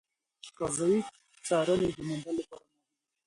فضایي څارنې د موندلو لپاره مهمې دي.